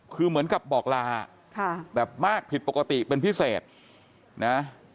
คือเหมือนกับบอกลาแบบมากผิดปกติเป็นพิเศษนะ